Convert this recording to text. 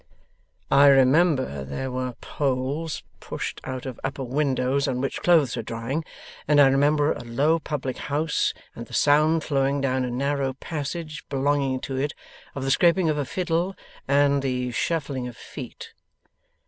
'I remember there were poles pushed out of upper windows on which clothes were drying, and I remember a low public house, and the sound flowing down a narrow passage belonging to it of the scraping of a fiddle and the shuffling of feet.